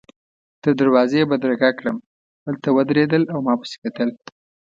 تر دروازې يې بدرګه کړم، هلته ودرېدل او ما پسي کتل.